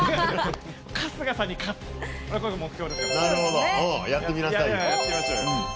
春日さんに勝つのが目標です！